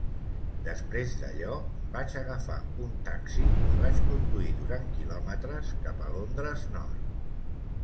Després d'allò, vaig agafar un taxi i vaig conduir durant kilòmetres cap a Londres nord.